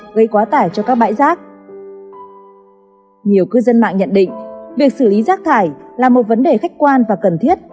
nhiều cư dân mạng nhận định việc xử lý rác thải là một vấn đề khách quan và cần thiết